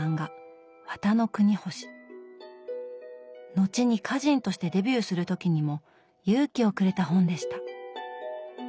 後に歌人としてデビューする時にも勇気をくれた本でした。